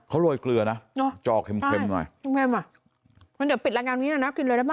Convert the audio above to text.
เขารวยเกลือนะจอเค็มหน่อยอ่ะจิ้มอะเดี๋ยวปิดรายการนี้นะน่ากินเลยได้ป่ะ